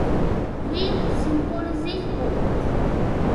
Green symbolizing hope.